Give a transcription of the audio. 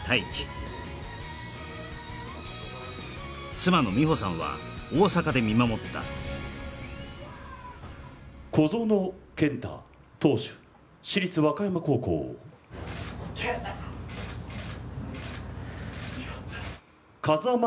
妻の実穂さんは大阪で見守った小園健太投手市立和歌山高校風間